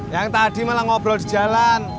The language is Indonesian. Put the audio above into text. yang tadi malah ngobrol di jalan